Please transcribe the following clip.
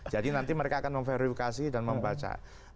jadi nanti mereka akan memverifikasi dan membaca